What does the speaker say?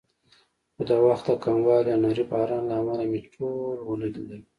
خو د وخت د کموالي او نري باران له امله مې ټول ونه لیدل.